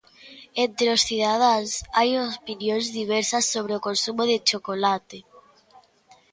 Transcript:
Entre os cidadáns, hai opinións diversas sobre o consumo de chocolate.